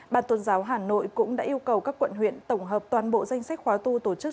bàn tôn giáo hà nội cũng đã yêu cầu các quận huyện tổng hợp toàn bộ danh sách khóa tu tổ chức